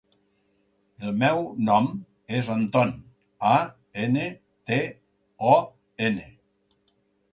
El meu nom és Anton: a, ena, te, o, ena.